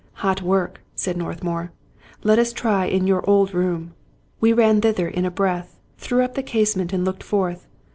" Hot work," said Northmour. " Let us try in your old room." We ran thither in a breath, threw up the casement, and looked forth.